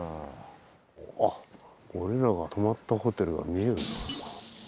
あっ俺らが泊まったホテルが見えるな。